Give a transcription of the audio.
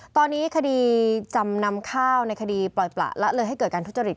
ตอนนี้คดีจำนำข้าวในคดีปล่อยประละเลยให้เกิดการทุจริต